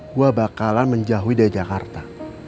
gue bakalan menjauhi dari jakarta